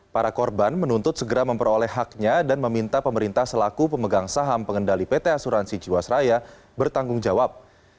para korban menuntut segera memperoleh haknya dan meminta pemerintah selaku pemegang saham pengendali pt asuransi jiwasraya bertanggung jawab